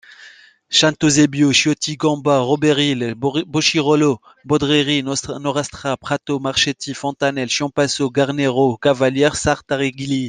Sant'Eusebio, Chiotti, Comba, Raberile, Boschirolo, Bodreri, Norastra, Prato, Marchetti, Fontanelle, Chiampasso, Garnero, Cavaliere, Sartariglie.